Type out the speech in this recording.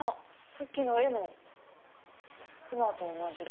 さっきの絵のクマと同じだ。